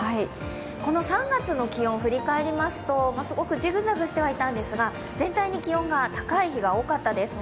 この３月の気温を振り返りますと、すごくジグザグしていたんですが、全体に気温が高い日が多かったです。